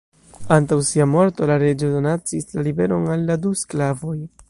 Antaŭ sia morto, la reĝo donacis la liberon al la du sklavoj.